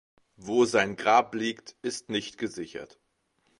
Wo sein Grab liegt, ist nicht gesichert.